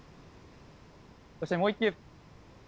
そしてもう一球。